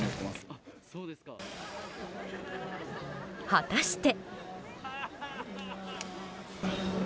果たして。